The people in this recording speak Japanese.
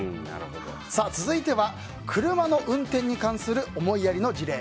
続いては、車の運転に関する思いやりの事例。